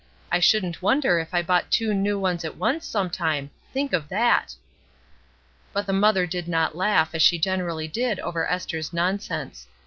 I shouldn't wonder if I bought two new ones at once, sometime — think of that!" But the mother did not laugh, as she generally did over Esther's nonsense.